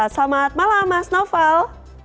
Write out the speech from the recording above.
selamat malam mas noval